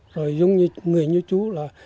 rồi giống như người như chú là